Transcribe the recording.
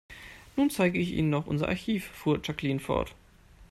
Nun zeige ich Ihnen noch unser Archiv, fuhr Jacqueline fort.